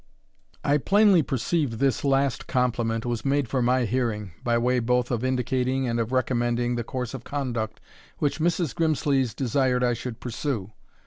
I plainly perceived this last compliment was made for my hearing, by way both of indicating and of recommending the course of conduct which Mrs. Grimslees desired I should pursue.